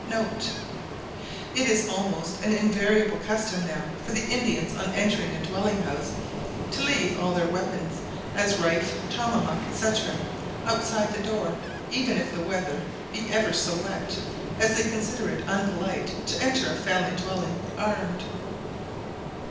[* It is almost an invariable custom now for the Indians on entering a dwelling house to leave all their weapons, as rife, tomahawk, &c., outside the door, even if the weather be ever so wet; as they consider it unpolite to enter a family dwelling armed.